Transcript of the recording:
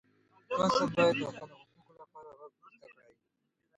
تاسو باید د خپلو حقوقو لپاره غږ پورته کړئ.